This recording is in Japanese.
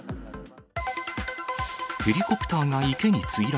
ヘリコプターが池に墜落。